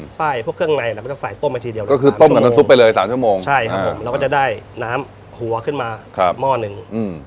ใช่ครับผมแล้วก็จะได้น้ำหัวขึ้นมาหม้อนึง